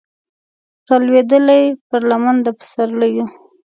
رالویدلې پر لمن د پسرلیو